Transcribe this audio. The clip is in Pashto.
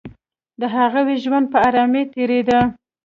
د هغوی ژوند په آرامۍ تېرېده